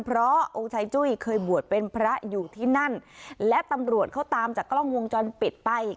เพราะองค์ชายจุ้ยเคยบวชเป็นพระอยู่ที่นั่นและตำรวจเขาตามจากกล้องวงจรปิดไป